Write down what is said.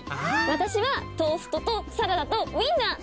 私はトーストとサラダとウインナー。